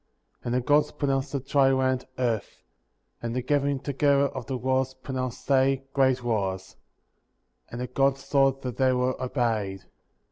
And the Gods pronounced the dry land, earth ; and the gathering together of the waters, pronounced they, great waters; and the Gods saw that they were obeyed.